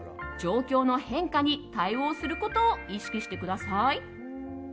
状況の変化に対応することを意識してください。